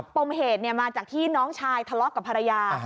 ปมเหตุมาจากที่น้องชายทะเลาะกับภรรยา